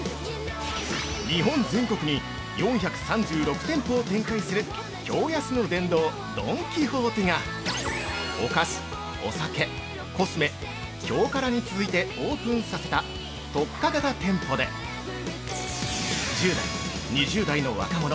日本全国に４３６店舗を展開する驚安の殿堂ドン・キホーテがお菓子、お酒、コスメ、驚辛に続いてオープンさせた特化型店舗で１０代・２０代の若者